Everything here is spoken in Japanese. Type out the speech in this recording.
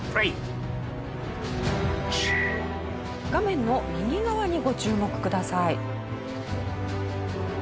画面の右側にご注目ください。